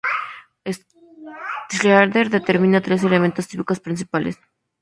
Schrader determina tres elementos típicos principales.